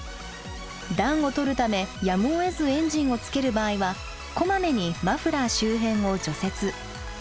暖をとるためやむをえずエンジンをつける場合はこまめにマフラー周辺を除雪。